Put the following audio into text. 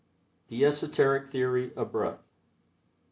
THE ESOTERIC THEORY OF BREATH.